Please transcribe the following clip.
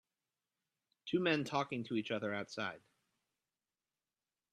Two men talking to each other outside